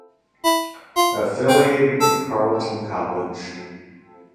Affiliated with Carleton College.